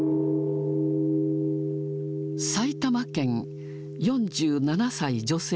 埼玉県、４７歳女性。